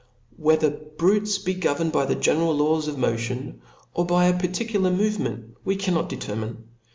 Whether brutes be governed by the general laws of motion, or by a particular movement, we cannot determine.